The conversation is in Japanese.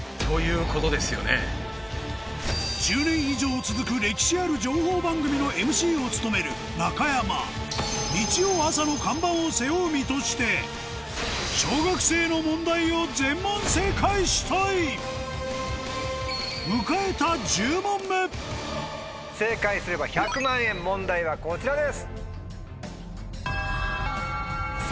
１０年以上続く歴史ある情報番組のＭＣを務める中山日曜朝の看板を背負う身として小学生の問題を全問正解したい迎えた正解すれば１００万円問題はこちらです。